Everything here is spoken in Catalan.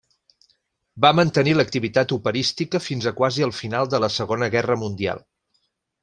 Va mantenir, l'activitat operística fins a quasi el final de la Segona Guerra Mundial.